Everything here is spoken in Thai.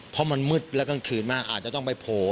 เพราะมันมืดและกลางคืนมากอาจจะต้องไปโผล่